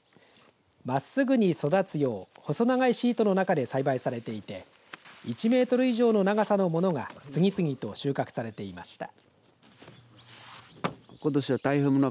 まっすぐに育つよう細長いシートの中で栽培されていて１メートル以上の長さのものが次々と収穫されていました。